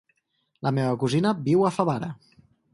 La meva cosina viu a Favara.